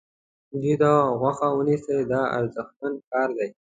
دوی ته غوږ ونیسه دا ارزښتمن کار دی.